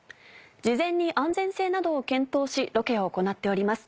「事前に安全性などを検討しロケを行っております。